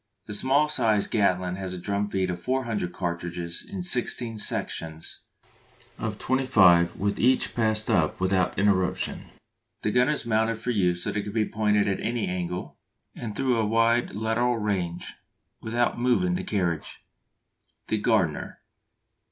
The small sized Gatling has a drum feed of 400 cartridges in sixteen sections of twenty five each passed up without interruption. The gun is mounted for use so that it can be pointed at any angle, and through a wide lateral range, without moving the carriage. _The Gardner.